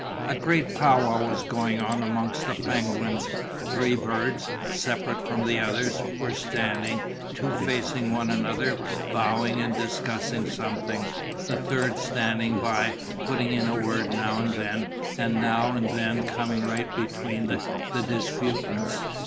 A great pow wow was going on amongst the penguins. Three birds, separate from the others, were standing, two facing one another bowing and discussing something, the third standing by, putting in a word now and then and now and then coming right between the disputants.